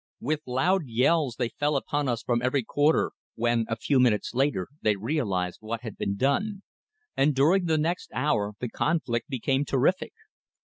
With loud yells they fell upon us from every quarter, when a few minutes later they realised what had been done, and during the next hour the conflict became terrific.